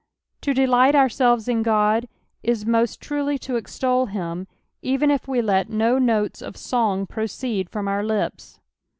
To delight ourselves in God is most tnilj to extol liim, even if yie let no notes of song proceed from our lips.